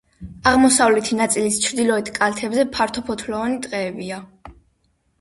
აღმოსავლეთი ნაწილის ჩრდილოეთ კალთებზე ფართოფოთლოვანი ტყეებია.